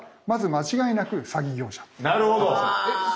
なるほど。